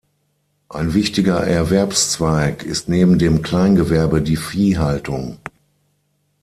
Ein wichtiger Erwerbszweig ist neben dem Kleingewerbe die Viehhaltung.